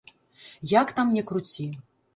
Як там не круці.